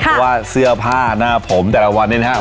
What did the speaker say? เพราะว่าเสื้อผ้าหน้าผมแต่ละวันนี้นะครับ